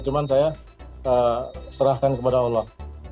cuma saya serahkan kepada allah